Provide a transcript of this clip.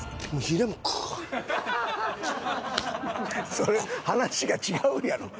それ話が違うやろ。